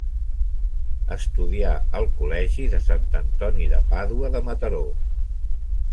Estudià al col·legi de Sant Antoni de Pàdua de Mataró.